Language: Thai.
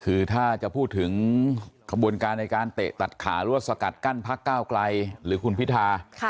คือถ้าจะพูดถึงขบวนการในการเตะตัดขาหรือว่าสกัดกั้นพักก้าวไกลหรือคุณพิธา